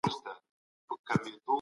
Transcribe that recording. د ټولني او فرد تر منځ اړيکي پرې کيږي.